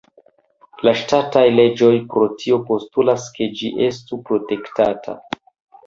La ŝtataj leĝoj pro tio postulas ke ĝi estu protektata.